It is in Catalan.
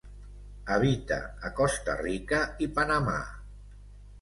Habita a Costa Rica i Panamà.